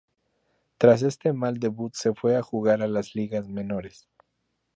Tras este mal debut se fue a jugar a las Ligas Menores.